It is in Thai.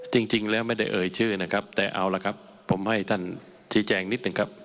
จริงแล้วไม่ได้เอ่ยชื่อนะครับแต่เอาละครับผมให้ท่านชี้แจงนิดหนึ่งครับ